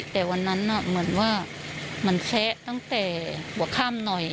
แต่วันนั้นเหมือนว่ามันแชะตั้งแต่หัวค่ำหน่อย